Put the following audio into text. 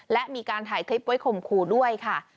และมีการถ่ายคลิปไว้ข่มขู่ด้วยค่ะ